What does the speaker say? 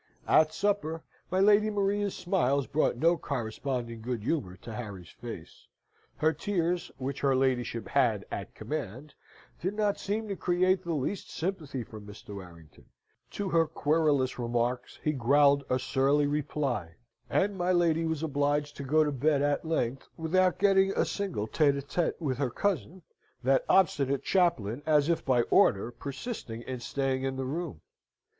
At supper, my Lady Maria's smiles brought no corresponding good humour to Harry's face; her tears (which her ladyship had at command) did not seem to create the least sympathy from Mr. Warrington; to her querulous remarks he growled a surly reply; and my lady was obliged to go to bed at length without getting a single tete a tete with her cousin, that obstinate chaplain, as if by order, persisting in staying in the room.